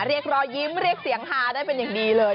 เรียกรอยยิ้มเรียกเสียงฮาได้เป็นอย่างดีเลย